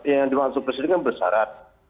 yang dimaksud presiden kan bersarat